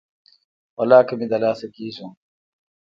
ولاکه مې د لاسه کیږي.